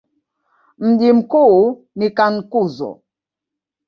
Mji mkuu ni Cankuzo.